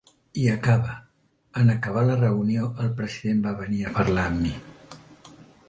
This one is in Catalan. I acaba: En acabar la reunió, el president va venir a parlar amb mi.